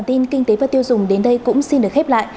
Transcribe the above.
bản tin kinh tế và tiêu dùng đến đây cũng xin được khép lại